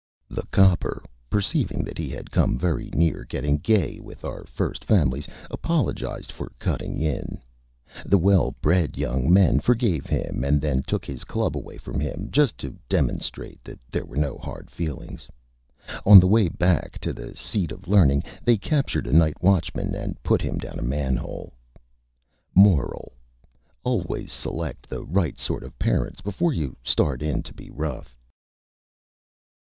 The Copper, perceiving that he had come very near getting Gay with our First Families, Apologized for Cutting In. The Well Bred Young Men forgave him, and then took his Club away from him, just to Demonstrate that there were no Hard Feelings. On the way back to the Seat of Learning they captured a Night Watchman, and put him down a Man Hole. MORAL: _Always select the Right Sort of Parents before you start in to be Rough.